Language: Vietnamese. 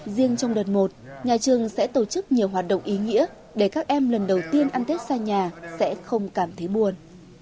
riêng trong đợt một nhà trường sẽ tổ chức nhiều hoạt động ý nghĩa để các em lần đầu tiên ăn tết xa nhà sẽ không cảm thấy buồn